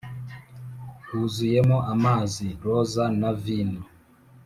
huzuyemo amazi-roza na vino.